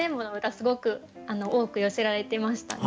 すごく多く寄せられていましたね。